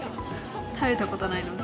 食べたことないので。